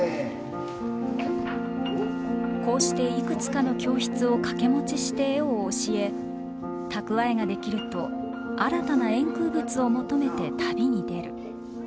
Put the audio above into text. こうしていくつかの教室を掛け持ちして絵を教え蓄えができると新たな円空仏を求めて旅に出る。